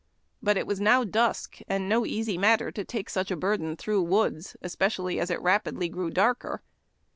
But it was now dusk, and no easy matter to take such a burden through woods, especially as it rapidly grew darker.